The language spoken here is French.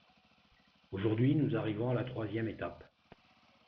Aujourd’hui, nous arrivons à la troisième étape.